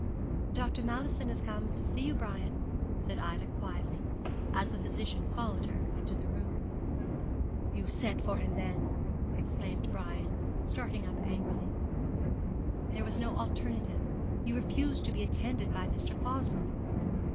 'Dr. Mallison has come to see you, Brian,' said Ida, quietly, as the physician followed her into the room. 'You sent for him, then!' exclaimed Brian, starting up angrily. 'There was no alternative; you refused to be attended by Mr. Fosbroke.'